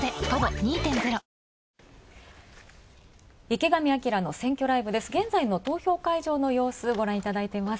「池上彰の選挙ライブ」です。